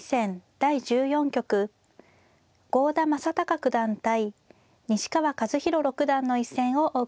第１４局郷田真隆九段対西川和宏六段の一戦をお送りします。